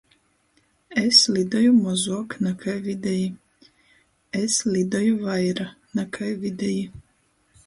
Es lidoju mozuok nakai videji. Es lidoju vaira nakai videji.